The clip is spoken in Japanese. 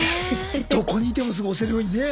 どこにいてもすぐ押せるようにね。